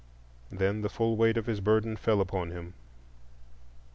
Then the full weight of his burden fell upon him.